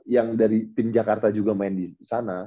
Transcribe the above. yang dari tim jakarta juga main di sana